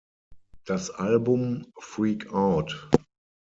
Das Album "Freak Out!